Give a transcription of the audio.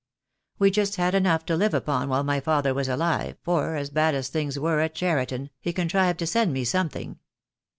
We just had enough to live upon while my father was alive, for, bad as things were at Cheriton, he contrived to send me something.